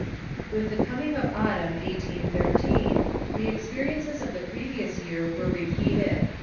With the coming of autumn 1813 the experiences of the previous year were repeated.